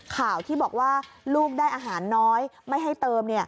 ข่าวที่บอกว่าลูกได้อาหารน้อยไม่ให้เติม